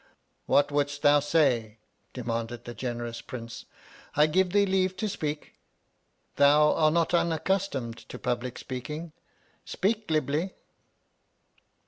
What wouldst thou say 1 demanded the generous Prince, I give thee leave to speak. Thou art not unaccustomed to public speaking ; speak glibly